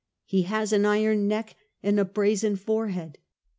He has an iron neck and a brazen forehead.